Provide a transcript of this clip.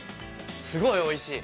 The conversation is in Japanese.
◆すごいおいしい。